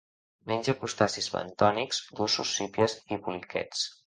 Menja crustacis bentònics, lluços, sípies i poliquets.